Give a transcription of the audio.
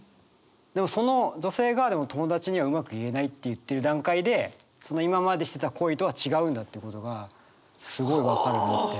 でもその女性が「友達にはうまく言えない」って言ってる段階で今までしてた恋とは違うんだっていうことがすごい分かるなって。